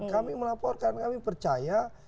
kami melaporkan kami percaya